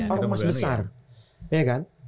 ormas besar ya kan